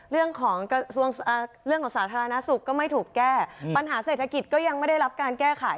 เรื่องของสาธารณสุขก็ไม่ถูกแก้ปัญหาเศรษฐกิจก็ยังไม่ได้รับการแก้ไข